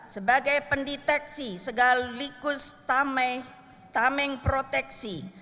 sebagai pendeteksi sekaligus tameng proteksi